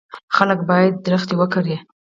خلک باید ونې وکري.